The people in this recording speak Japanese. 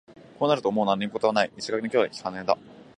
こうなるともう何のことはない、一種の脅迫観念だ